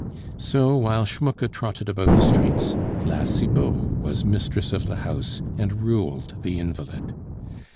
So while Schmucke trotted about the streets, La Cibot was mistress of the house and ruled the invalid.